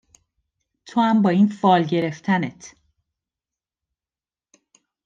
تو هم با این فال گرفتنت